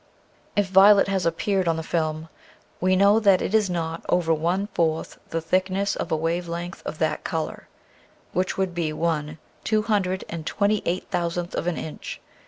If violet has appeared on the film we know that it is not over one fourth the thickness of a wave length of that color, which would be one two hundred and twenty eight thousandth of an inch.